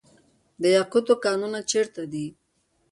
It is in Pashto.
د یاقوتو کانونه چیرته دي؟